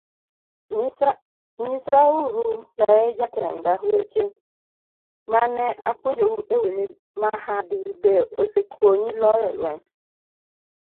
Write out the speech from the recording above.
Nyisauru, yaye jatenda, weche ma ne apuonjou e wi mahadi, be osekonyi loyo lweny?